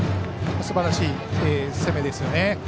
すばらしい攻めですよね。